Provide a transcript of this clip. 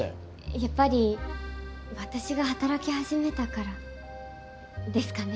やっぱり私が働き始めたからですかね。